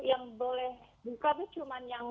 yang boleh buka itu cuma yang